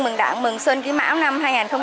mừng đảng mừng xuân ký mão năm hai nghìn hai mươi ba